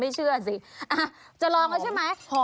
เชื่อสิจะลองแล้วใช่ไหม